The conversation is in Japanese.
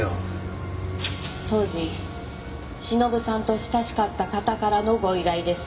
当時忍さんと親しかった方からのご依頼です。